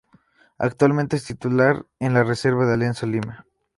Actualmente es titular en la reserva de Alianza Lima.